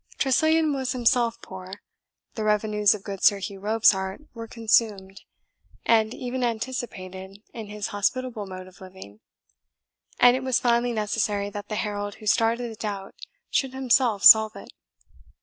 Tressilian was himself poor; the revenues of good Sir Hugh Robsart were consumed, and even anticipated, in his hospitable mode of living; and it was finally necessary that the herald who started the doubt should himself solve it.